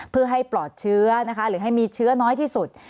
เพื่อให้ปลอดเชื้อนะคะหรือให้มีเชื้อน้อยที่สุด